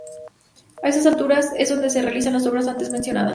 A esta altura es donde se realizan las obras antes mencionadas.